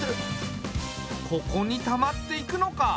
ここにたまっていくのか。